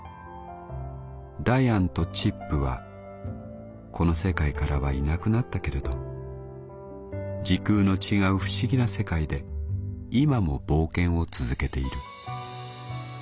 ダヤンとチップはこの世界からはいなくなったけれど時空の違う不思議な世界で今も冒険を続けている。